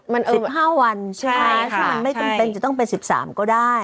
๑๕วันใช่ถ้ามันไม่เป็นเป็นจะต้องเป็น๑๓ก็ได้